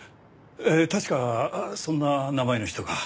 確かそんな名前の人が。